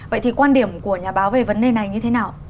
vậy thì quan điểm của nhà báo về vấn đề này như thế nào